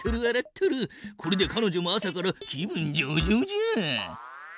これでかのじょも朝から気分上々じゃ。